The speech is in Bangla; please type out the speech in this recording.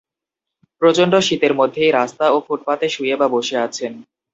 প্রচণ্ড শীতের মধ্যেই রাস্তা ও ফুটপাতে শুয়ে বা বসে আছেন।